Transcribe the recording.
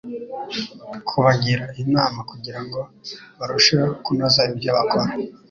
kubagira inama kugira ngo barusheho kunoza ibyo bakora